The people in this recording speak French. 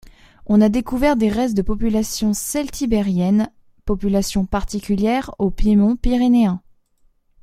On a aussi découvert des restes des populations celtibériennes, populations particulières au piémont pyrénéen.